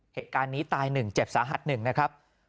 เหตุการณ์นี้ตาย๑เจ็บสาหัส๑นะครับ